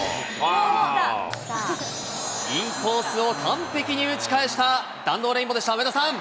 インコースを完璧に打ち返した弾道レインボーでした、上田さん。